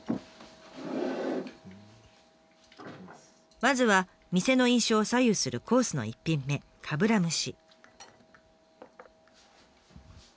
まずは店の印象を左右するコースの１品目かぶら蒸し。